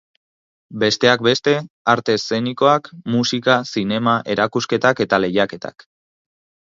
Besteak beste, arte eszenikoak, musika, zinema, erakusketak eta lehiaketak.